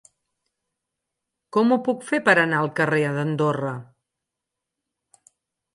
Com ho puc fer per anar al carrer d'Andorra?